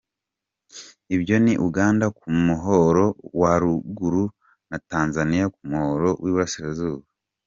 Ibyo ni Uganda ku muhoro wa ruguru na Tanzaniya ku muhoro w’Iburasirazuba.